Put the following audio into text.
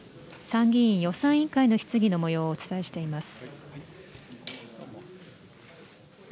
参議院予算委員会の質疑のもようをお伝えしています。